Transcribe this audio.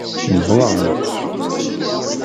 Wwḍent.